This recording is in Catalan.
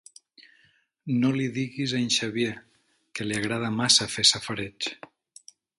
No li diguis a en Xavier, que li agrada massa fer safareig.